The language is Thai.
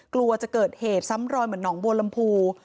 กลัวจะเกิดเหตุซ้ำรอยเหมือนหนองบัวลำพู